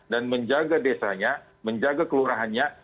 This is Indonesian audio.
dan menjaga desanya menjaga keluargaannya